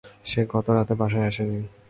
সে গতরাতে বাসায় আসেনি।